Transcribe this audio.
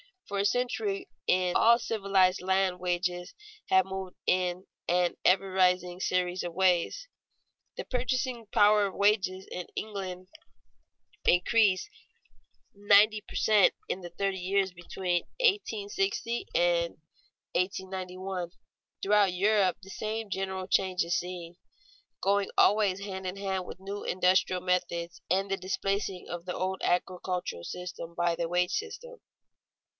For a century in all civilized lands wages have moved in an ever rising series of waves. The purchasing power of wages in England increased ninety per cent, in the thirty years between 1860 and 1891. Throughout Europe the same general change is seen, going always hand in hand with new industrial methods and the displacing of the old agricultural system by the wage system.